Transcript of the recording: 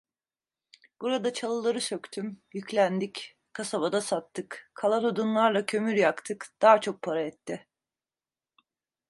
Burada çalıları söktüm, yüklendik, kasabada sattık; kalan odunlarla kömür yaktık, daha çok para etti.